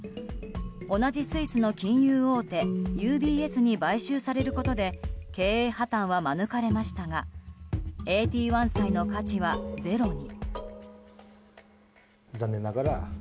同じスイスの金融大手ＵＢＳに買収されることで経営破綻は免れましたがＡＴ１債の価値はゼロに。